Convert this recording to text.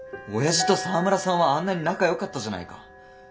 親父と沢村さんはあんなに仲よかったじゃないか。